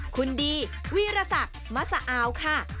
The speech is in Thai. คุณดีวีรศักดิ์มะสะอาวค่ะ